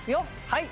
はい。